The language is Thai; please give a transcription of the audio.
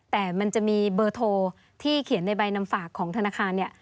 แต่มันจะมีเบอร์โทรที่เขียนในใบนำฝากของธนาคารเนี่ย